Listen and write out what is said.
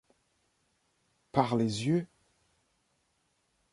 Par les yeux !